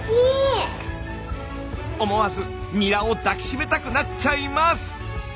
思わずニラを抱き締めたくなっちゃいます！